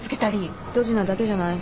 ドジなだけじゃない？